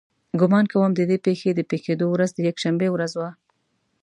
ګمان کوم د دې پېښې د پېښېدو ورځ د یکشنبې ورځ وه.